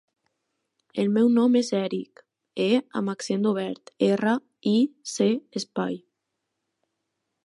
El meu nom és Èric : e amb accent obert, erra, i, ce, espai.